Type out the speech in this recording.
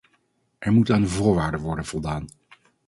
Er moet aan de voorwaarden worden voldaan.